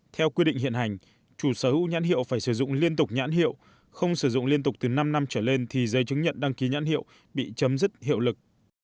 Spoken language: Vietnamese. theo quy định hiện hành chủ sở hữu nhãn hiệu phải sử dụng liên tục nhãn hiệu không sử dụng liên tục từ năm năm trở lên thì giấy chứng nhận đăng ký nhãn hiệu bị chấm dứt hiệu lực